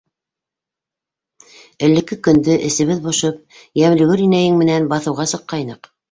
Элекке көндө, әсебеҙ бошоп, Йәмлегөл инәйең менән баҫыуға сыҡҡайныҡ.